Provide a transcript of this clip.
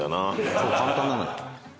そう簡単なのよ。